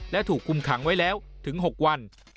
และถูกคุมขังไว้แล้วถึง๖วัน